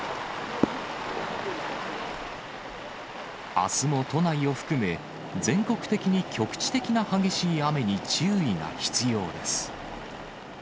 あすも都内を含め、全国的に局地的な激しい雨に注意が必要です。